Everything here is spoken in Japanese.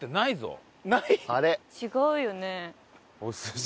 違うよね。